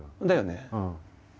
だよね？